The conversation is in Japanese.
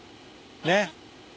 ねっ。